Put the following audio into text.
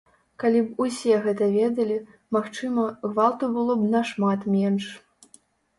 Калі б усе гэта ведалі, магчыма, гвалту было б нашмат менш.